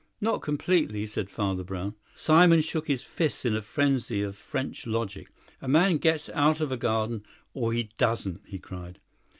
"Not completely," said Father Brown. Simon shook his fists in a frenzy of French logic. "A man gets out of a garden, or he doesn't," he cried.